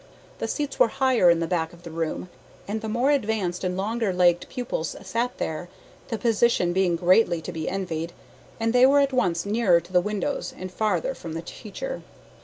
The seats were higher in the back of the room, and the more advanced and longer legged pupils sat there, the position being greatly to be envied, as they were at once nearer to the windows and farther from the teacher.